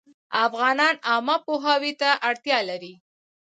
افغانان عامه پوهاوي ته اړتیا لري